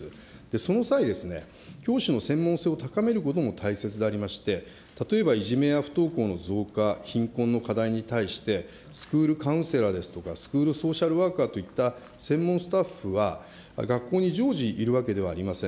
その際、教師の専門性を高めることも大切でありまして、例えばいじめや不登校の増加、貧困の課題に対して、スクールカウンセラーですとか、スクールソーシャルワーカーといった専門スタッフは学校に常時いるわけではありません。